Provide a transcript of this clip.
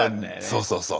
そうそうそう。